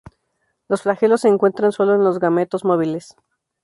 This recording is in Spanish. Los flagelos se encuentran sólo en los gametos móviles.